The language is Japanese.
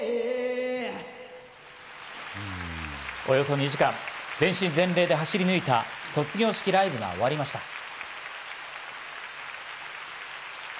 およそ２時間、全身全霊で走り抜いた卒業式ライブが終わりました。